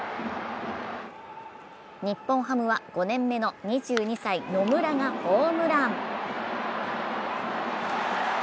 日本ハムは５年目の２２歳・野村がホームラン。